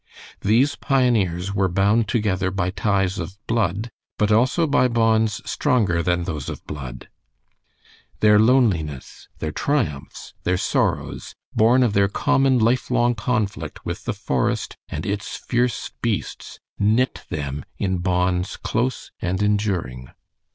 These pioneers were bound together by ties of blood, but also by bonds stronger than those of blood. Their loneliness, their triumphs, their sorrows, born of their common life long conflict with the forest and its fierce beasts, knit them in bonds close and enduring.